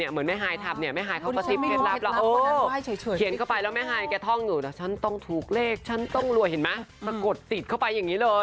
เหมือนแม่ฮายทำเนี่ย